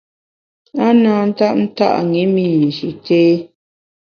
A na ntap nta’ ṅi mi Nji té.